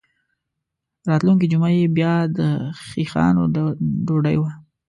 په راتلونکې جمعه یې بیا د خیښانو ډوډۍ وه.